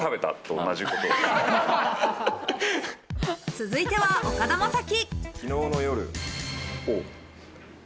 続いては岡田将生。